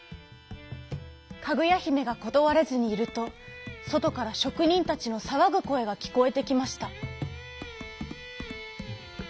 かぐやひめがことわれずにいるとそとからしょくにんたちのさわぐこえがきこえてきました。